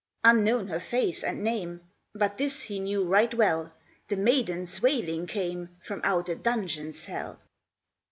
Unknown her face and name, But this he knew right well, The maiden's wailing came From out a dungeon cell.